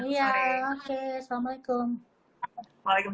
iya oke assalamualaikum